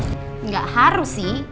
gak harus sih